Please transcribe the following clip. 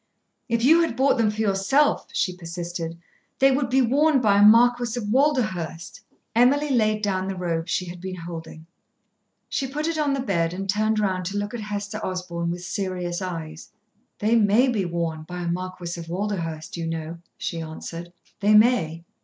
"If you had bought them for yourself," she persisted, "they would be worn by a Marquis of Walderhurst." Emily laid down the robe she had been holding. She put it on the bed, and turned round to look at Hester Osborn with serious eyes. "They may be worn by a Marquis of Walderhurst, you know," she answered. "They may."